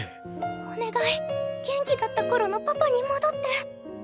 お願い元気だったころのパパにもどって。